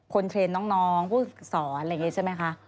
เทรนด์น้องผู้ฝึกสอนอะไรอย่างนี้ใช่ไหมคะ